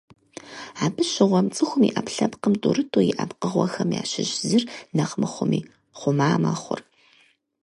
Абы щыгъуэм, цӏыхум и ӏэпкълъпкъым тӏурытӏу иӏэ пкъыгъуэхэм ящыщ зыр нэхъ мыхъуми, хъума мэхъур.